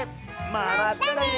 まったね！